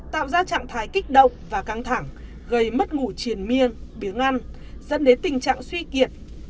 tạo ra trạng thái kích động và căng thẳng gây mất ngủ triền miên biếng ăn dẫn đến tình trạng suy kiệt